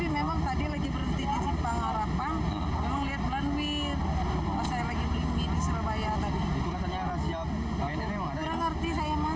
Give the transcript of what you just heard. tidak tahu karena saya tidak ada di sini